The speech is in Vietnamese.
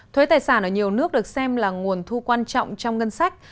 thuế tài sản ở nhiều nước được xem là nguồn thu quan trọng trong ngân sách